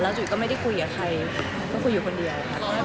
จุ๋ยก็ไม่ได้คุยกับใครก็คุยอยู่คนเดียวค่ะ